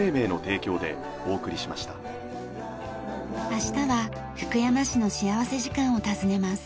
明日は福山市の幸福時間を訪ねます。